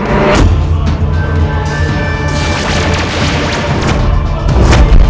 kau akan menang